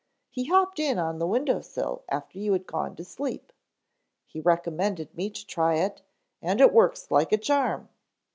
He hopped in on the window sill after you had gone to sleep. He recommended me to try it and it works like a charm."